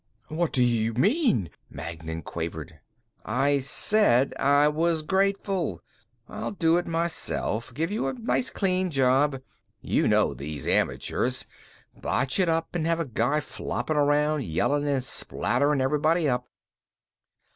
"What do you mean?" Magnan quavered. "I said I was grateful. I'll do it myself, give you a nice clean job. You know these amateurs; botch it up and have a guy floppin' around, yellin' and spatterin' everybody up."